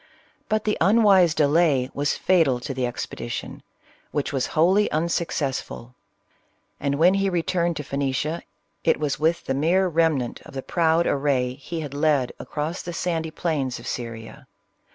But the unwise delay was fatal to the expedition, which was wholly unsuccessful ; and when he returned to Phoenicia, it was with the mere remnant of the proud array he had led across the sandy plains of Syria.